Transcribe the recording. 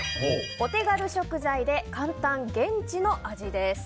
お手軽食材で簡単現地の味です。